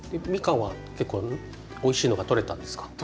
みかんは結構おいしいのがとれたんですか？